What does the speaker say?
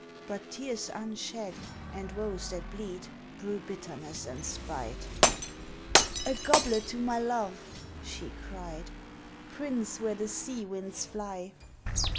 (But tears unshed and woes that bleed Brew bitterness and spite.) "A goblet to my love!" she cried, "Prince where the sea winds fly!"